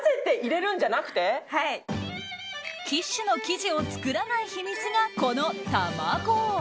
キッシュの生地を作らない秘密が、この卵。